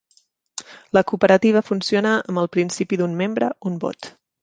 La cooperativa funciona amb el principi d'un membre, un vot.